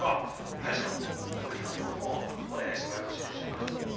大志君Ｖ振りのほうをお願いしてもよろしいでしょうか。